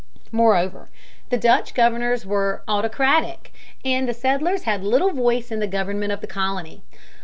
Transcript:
Moreover, the Dutch governors were autocratic, and the settlers had little voice in the government of the colony.